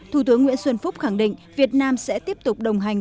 thủ tướng nguyễn xuân phúc khẳng định việt nam sẽ tiếp tục đồng hành